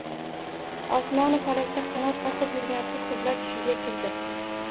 Osmoni falakda qanot qoqib yurgan hur qizlar tushiga kirdi…